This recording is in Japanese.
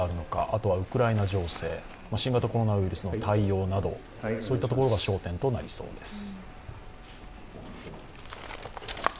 あとはウクライナ情勢、新型コロナウイルスの対応など、そういったところが焦点となりそうです。